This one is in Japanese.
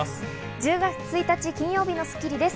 １０月１日、金曜日の『スッキリ』です。